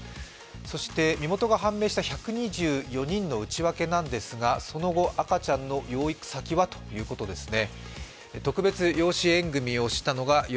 そして、身元が判明した１２４人の内訳なんですがその後、赤ちゃんの養育先はということですね。